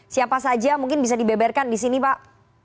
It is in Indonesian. siapa saja mungkin bisa dibeberkan di sini pak